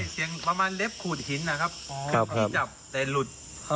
เสียงประมาณเล็บขูดหินนะครับจับแต่หลุด